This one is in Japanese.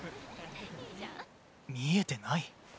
見えてない？